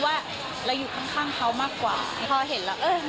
คุณเหมือนกันเริ่มมากันแล้วใช่ไหม